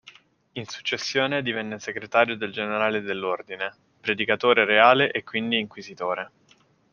In successione divenne segretario del generale dell'ordine, predicatore reale e quindi inquisitore.